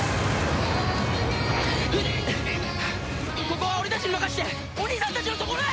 ここは俺たちに任せてお兄さんたちのところへ！